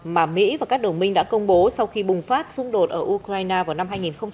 mà mỹ và các đồng minh đã công bố sau khi bùng phát xung đột ở ukraine vào năm hai nghìn một mươi